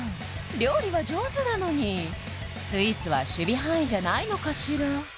料理は上手なのにスイーツは守備範囲じゃないのかしら？